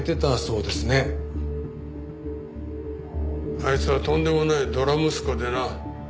あいつはとんでもないドラ息子でな。